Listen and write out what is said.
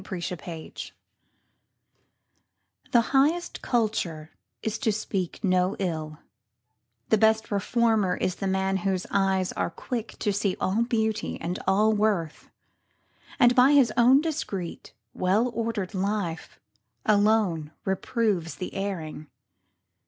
TRUE CULTURE The highest culture is to speak no ill, The best reformer is the man whose eyes Are quick to see all beauty and all worth; And by his own discreet, well ordered life, Alone reproves the erring.